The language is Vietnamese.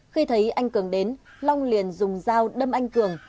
khi thấy anh cường đến long liền dùng dao đâm anh cường